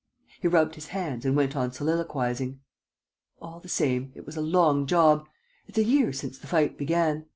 He rubbed his hands and went on soliloquizing: "All the same, it was a long job. It's a year since the fight began.